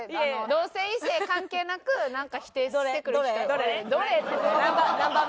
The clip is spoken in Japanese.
同性異性関係なくなんか否定してくる人。